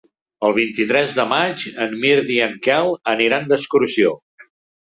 El vint-i-tres de maig en Mirt i en Quel aniran d'excursió.